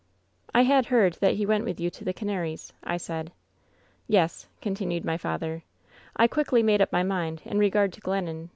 " *I had heard that he went with you to the Canaries/ I said. " 'Yes,' continued my father, 'I quickly made up my mind in regard to Glennon.